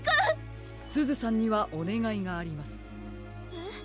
えっ？